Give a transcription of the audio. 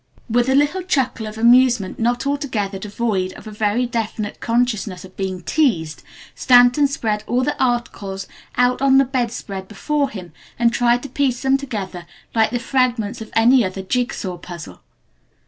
_" With a little chuckle of amusement not altogether devoid of a very definite consciousness of being teased, Stanton spread all the articles out on the bed spread before him and tried to piece them together like the fragments of any other jig saw puzzle.